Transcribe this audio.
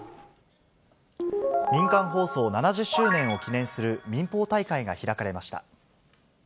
民間放送７０周年を記念する民放大会が開かれました。